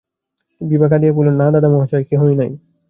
বিভা কাঁদিয়া কহিল, না দাদামহাশয়, কেহই নাই।